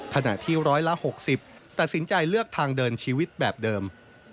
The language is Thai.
ขณะที่ร้อยละ๖๐ตัดสินใจเลือกทางเดินชีวิตแบบเดิม